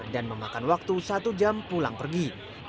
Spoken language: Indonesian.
dan memakan waktu satu jam pulang pergi